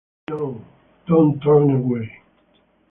No, don’t turn away!